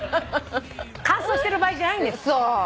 乾燥してる場合じゃないんです。